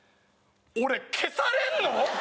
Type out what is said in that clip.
俺消されんの？